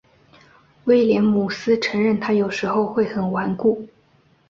威廉姆斯承认他有时会很顽固。